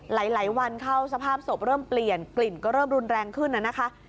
หลายวันเข้าสภาพศพเริ่มเปลี่ยนกลิ่นก็เริ่มรุนแรงขึ้นนะคะ